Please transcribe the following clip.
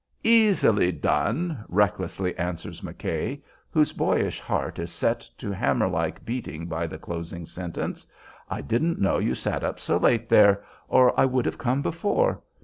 "Easily done!" recklessly answers McKay, whose boyish heart is set to hammer like beating by the closing sentence. "I didn't know you sat up so late there, or I would have come before.